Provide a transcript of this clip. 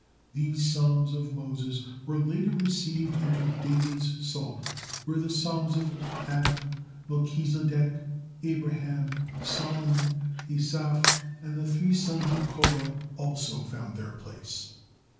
These psalms of Moses were later received into David's Psalter, where the psalms of Adam, Melchizedek, Abraham, Solomon, Asaph, and the three sons of Korah also found their place.